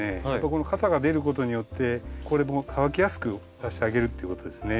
この肩が出ることによってこれも乾きやすくさせてあげるっていうことですね。